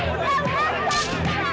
ya lompat dia lompat